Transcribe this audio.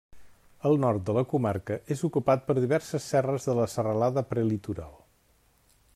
El nord de la comarca és ocupat per diverses serres de la Serralada Prelitoral.